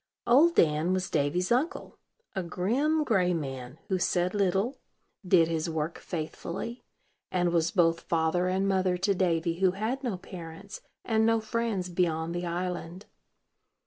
Old Dan was Davy's uncle, a grim, gray man, who said little, did his work faithfully, and was both father and mother to Davy, who had no parents, and no friends beyond the island.